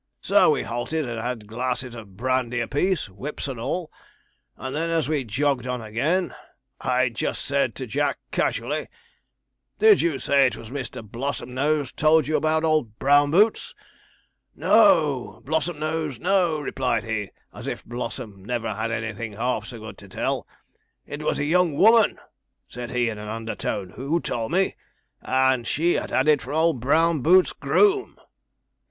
So we halted, and had glasses of brandy apiece, whips and all; and then, as we jogged on again, I just said to Jack casually, "Did you say it was Mr. Blossomnose told you about old Brown Boots?" "No Blossomnose no," replied he, as if Blossom never had anything half so good to tell; "it was a young woman," said he, in an undertone, "who told me, and she had it from old Brown Boots's groom."'